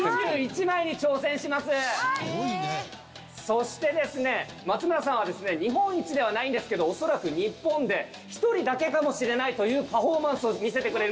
そしてですね松村さんは日本一ではないんですけど恐らく日本で１人だけかもしれないというパフォーマンスを見せてくれるんです。